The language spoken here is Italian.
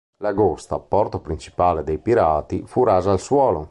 Lagosta, porto principale dei pirati, fu rasa al suolo.